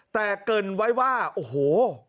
แต่เกินไว้ว่าโอ้โห